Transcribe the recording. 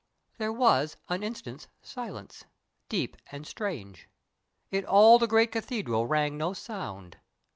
There was an instant's silence—deep and strange; In all the great cathedral rang no sound.